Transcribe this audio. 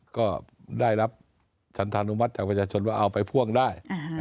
ก็ได้รับฉันธานุมัติจากประชาชนว่าเอาไปพ่วงได้